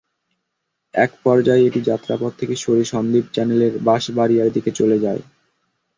একপর্যায়ে এটি যাত্রাপথ থেকে সরে সন্দ্বীপ চ্যানেলের বাঁশবাড়িয়ার দিকে চলে যায়।